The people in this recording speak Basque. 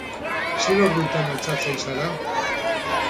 Zer ordutan altxatzen zara?